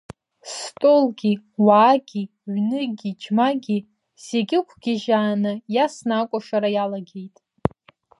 Столгьы, уаагьы, ҩнгьы, џьмагьы зегьы ықәгьежьааны, иасны акәашара иалагеит.